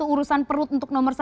urusan perut untuk nomor satu